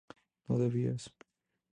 no bebías